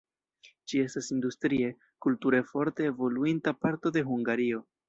Ĝi estas industrie, kulture forte evoluinta parto de Hungario.